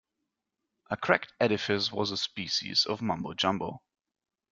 'A cracked edifice was a species of Mumbo Jumbo'.